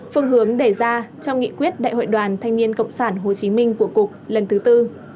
phương hướng đề ra trong nghị quyết đại hội đoàn thanh niên cộng sản hồ chí minh của cục lần thứ tư